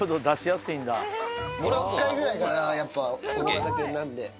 もう１回ぐらいかな、やっぱり大型犬なんで。